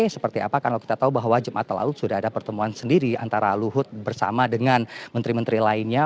seperti apa karena kita tahu bahwa jumat lalu sudah ada pertemuan sendiri antara luhut bersama dengan menteri menteri lainnya